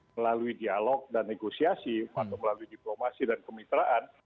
melalui dialog dan negosiasi atau melalui diplomasi dan kemitraan